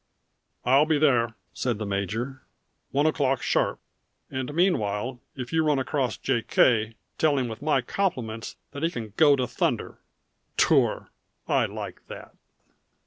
"I'll be there," said the major. "One o'clock sharp, and meanwhile if you run across J. K. tell him with my compliments that he can go to thunder. Tour! I like that!"